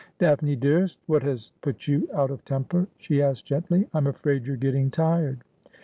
'Daphne dearest, what has put you out of temper?' she asked gently. ' I'm afraid you're getting tired.'